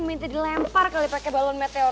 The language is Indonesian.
minta dilempar kali pakai balon meteor